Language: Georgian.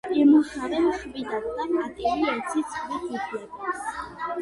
იმუშავე მშვიდად და პატივი ეცი სხვის უფლებებს.